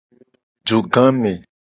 Dugame.